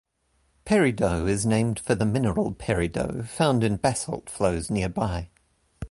Peridot is named for the mineral peridot, found in basalt flows nearby.